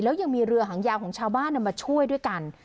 แล้วยังมีเรือหางยาวของชาวบ้านมาช่วยด้วยกัน